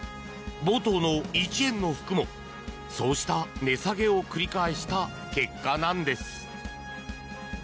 冒頭の、１円の服もそうした値下げを繰り返した結果なんです。